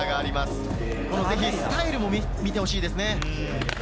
スタイルも見てほしいですね。